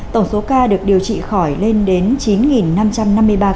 tổng số ca được điều trị khỏi lên đến chín năm trăm năm mươi ba ca